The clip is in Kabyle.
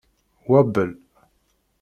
Wabel.